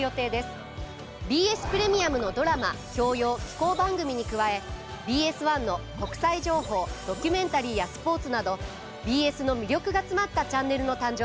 ＢＳプレミアムのドラマ教養紀行番組に加えＢＳ１の国際情報ドキュメンタリーやスポーツなどＢＳの魅力が詰まったチャンネルの誕生です。